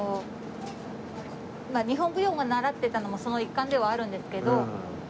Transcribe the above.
日本舞踊を習ってたのもその一環ではあるんですけど。